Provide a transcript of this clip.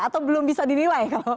atau belum bisa dinilai